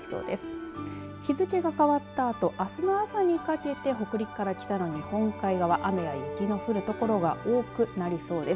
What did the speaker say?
日付が変わったあと、あすの朝にかけて、北陸から北の日本海側雨や雪の降る所が多くなりそうです。